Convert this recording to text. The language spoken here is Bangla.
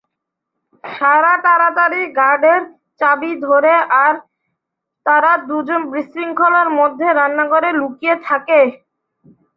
সারা তাড়াতাড়ি গার্ডের চাবি ধরে, আর তারা দুজন বিশৃঙ্খলার মধ্যে রান্নাঘরে লুকিয়ে থাকে।